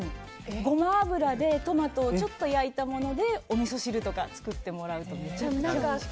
ゴマ油でトマトをちょっと焼いたものでおみそ汁とか作ってもらうとおいしいです。